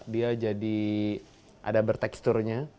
dia jadi ada berteksturnya